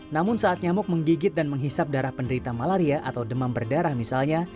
namun saat nyamuk menggigit dan menghisap darah penderita malaria atau demam berdarah misalnya